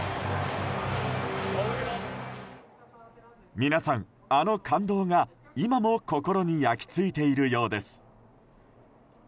皆さん、あの感動が今も心に焼き付いているようです。